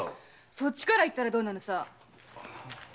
そっちから言ったらどうなのさ。